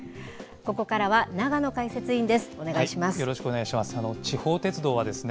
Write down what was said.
ここからは、永野解説委員です。